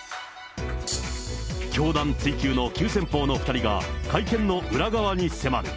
教団追及の急先鋒の２人が、会見の裏側に迫る。